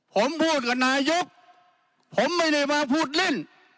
ผมพูดกับนายกผมไม่ได้มาพูดเล่น